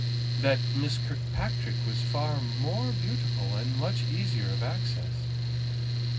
That Miss Kirkpatrick was far more beautiful and much easier of access.